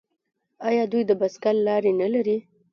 آیا دوی د بایسکل لارې نلري؟